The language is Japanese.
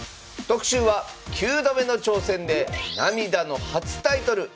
特集は９度目の挑戦で涙の初タイトル！